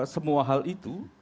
semua hal itu